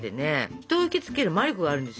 人を引き付ける魔力があるんですよ。